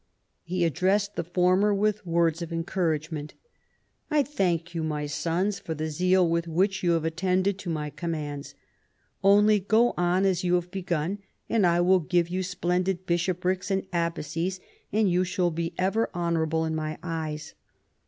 He addressed the former with words of encouragement, " I thank you, my sons, for the zeal with which you have attended to my commands. Only go on as you have begun, and I will give you splendid bishoprics and abbacies, and you shall be ever honorable in my eyes."